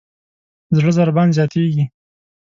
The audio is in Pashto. د زړه ضربان زیاتېږي.